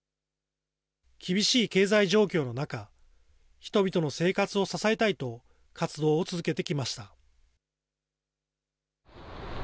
厳しい経済状況の中、人々の生活を支えたいと活動を続けてきました。